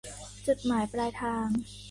จุดหมายปลายทาง